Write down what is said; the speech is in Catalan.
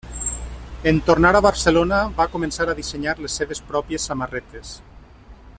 En tornar a Barcelona va començar a dissenyar les seves pròpies samarretes.